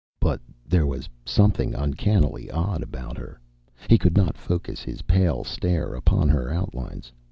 But there was something uncannily odd about her. He could not focus his pale stare upon her outlines.